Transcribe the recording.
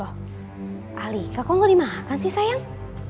loh alika kok gak dimakan sih sayang